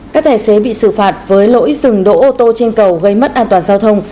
các tài xế bị xử phạt với lỗi dừng đỗ ô tô trên cầu gây mất an toàn giao thông